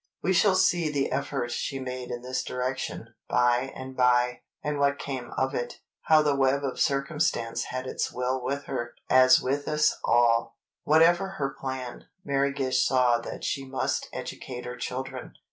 We shall see the effort she made in this direction, by and by, and what came of it—how the web of circumstance had its will with her, as with us all. [Illustration: A SCENE FROM "HER FIRST FALSE STEP"] Whatever her plan, Mary Gish saw that she must educate her children.